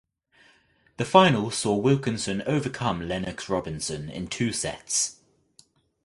The final saw Wilkinson overcome Lennox Robinson in two sets.